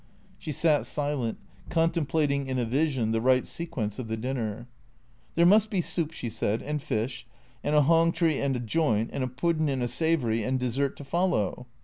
She sat silent, contemplating in a vision the right sequence of the dinner. " There must be soup," she said, " an' fish, an' a hongtry an' a joint, an' a puddin' an' a sav'ry, an' dessert to follow."